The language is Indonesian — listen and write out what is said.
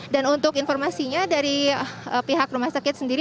dan untuk informasinya dari pihak rumah sakit sendiri